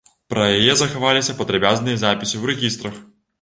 Пра яе захаваліся падрабязныя запісы ў рэгістрах.